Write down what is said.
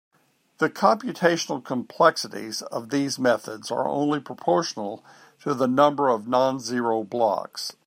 The computational complexities of these methods are only proportional to the number of non-zero blocks.